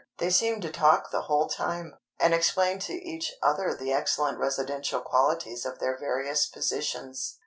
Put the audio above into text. They seem to talk the whole time, and explain to each other the excellent residential qualities of their various positions.